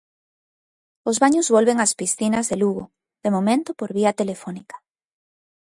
Os baños volven ás piscinas de Lugo, de momento por vía telefónica.